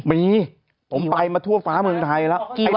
มีผมไปมาทั่วฟ้าเมืองไทยแล้ว